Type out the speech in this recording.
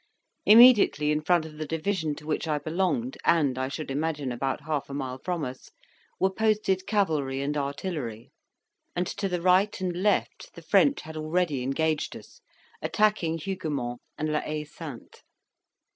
Immediately in front of the division to which I belonged, and, I should imagine, about half a mile from us, were posted cavalry and artillery; and to the right and left the French had already engaged us, attacking Huguemont and La Haye Sainte.